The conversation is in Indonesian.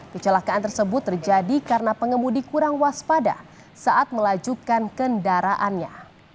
kecelakaan tersebut terjadi karena pengemudi kurang waspada saat melajukan kendaraannya